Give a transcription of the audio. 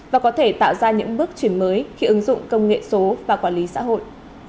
và có thể tạo ra những bước chuyển mới khi ứng dụng công nghệ số và quản lý xã hội